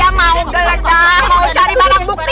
saya mau gelet dah mau cari barang bukti